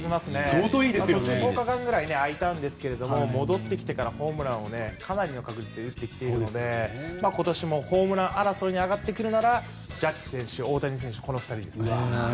１０日ぐらい空いたんですけど戻ってきてからホームランをかなりの確率で打っているので今年もホームラン王争いに上がってくるならジャッジ選手、大谷選手この２人ですね。